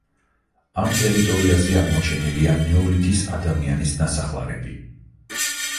ამ ტერიტორიაზე აღმოჩენილია ნეოლითის ადამიანის ნასახლარები.